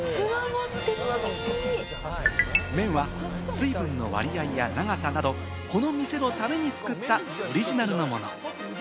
麺は水分の割合や長さなど、この店のために作ったオリジナルのもの。